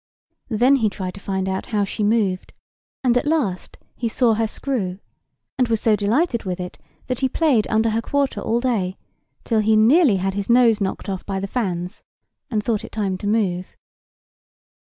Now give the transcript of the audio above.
Then he tried to find out how she moved, and at last he saw her screw, and was so delighted with it that he played under her quarter all day, till he nearly had his nose knocked off by the fans, and thought it time to move.